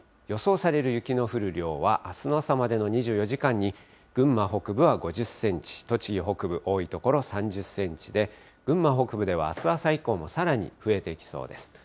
予想される雪の降る量は、あすの朝までの２４時間に、群馬北部は５０センチ、栃木北部、多い所３０センチで、群馬北部では、あす朝以降もさらに増えてきそうです。